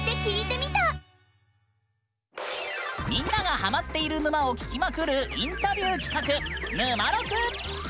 みんながハマっている沼を聞きまくるインタビュー企画「ぬまろく」！